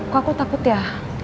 kok aku takut ya